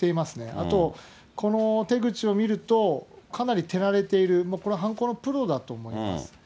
あとこの手口を見ると、かなり手慣れている、これは犯行のプロだと思います。